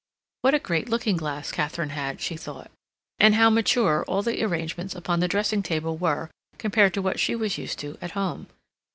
What a great looking glass Katharine had, she thought, and how mature all the arrangements upon the dressing table were compared to what she was used to at home.